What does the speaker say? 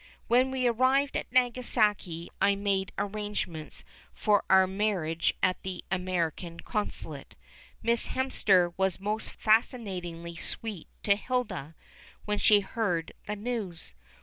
When we arrived at Nagasaki I made arrangements for our marriage at the American Consulate. Miss Hemster was most fascinatingly sweet to Hilda when she heard the news.